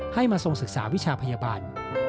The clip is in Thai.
ให้มาส่งศึกษาวิชาพยาบาล